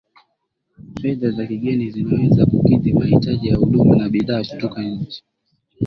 fedha za kigeni zinaweza kukidhi mahitaji ya huduma na bidhaa kutoka nje